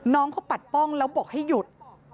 น้องเขาปัดป้องแล้วบอกให้หยุด